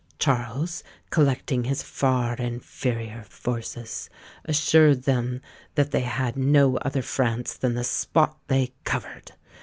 Charles, collecting his far inferior forces, assured them that they had no other France than the spot they covered.